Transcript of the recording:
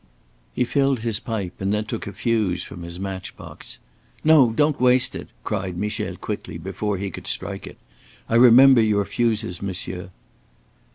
He filled his pipe and then took a fuse from his match box. "No, don't waste it," cried Michel quickly before he could strike it. "I remember your fuses, monsieur."